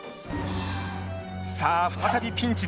さあ再びピンチに！